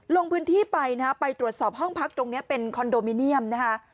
ลงพื้นที่ไปนะฮะไปตรวจสอบห้องพักตรงนี้เป็นคอนโดมิเนียมนะคะ